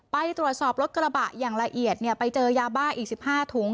ไปตรวจสอบรถกระบะอย่างละเอียดไปเจอยาบ้าอีก๑๕ถุง